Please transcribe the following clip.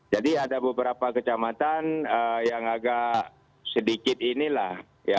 jadi ada beberapa kecamatan yang agak sedikit inilah